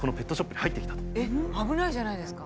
えっ危ないじゃないですか。